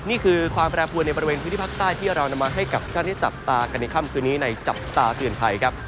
นี่คือความแปรปวนในบริเวณพื้นที่ภาคใต้ที่เรานำมาให้กับท่านได้จับตากันในค่ำคืนนี้ในจับตาเตือนภัยครับ